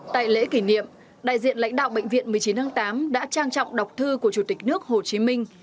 tại lễ kỷ niệm đại diện lãnh đạo bệnh viện một mươi chín tháng tám đã trang trọng đọc thư của chủ tịch nước hồ chí minh